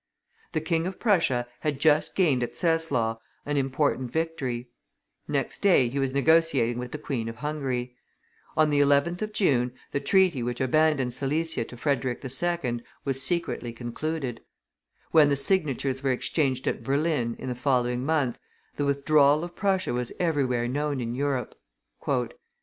The King of Prussia had just gained at Czezlaw an important victory; next day, he was negotiating with the Queen of Hungary. On the 11th of June the treaty which abandoned Silesia to Frederick II. was secretly concluded; when the signatures were exchanged at Berlin in the following month, the withdrawal of Prussia was everywhere known in Europe.